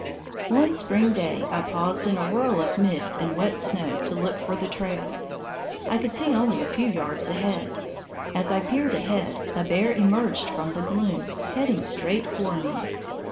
One spring day I paused in a whirl of mist and wet snow to look for the trail. I could see only a few yards ahead. As I peered ahead, a bear emerged from the gloom, heading straight for me.